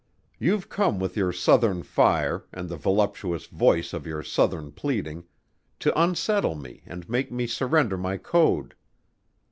You've come with your southern fire and the voluptuous voice of your southern pleading, to unsettle me and make me surrender my code.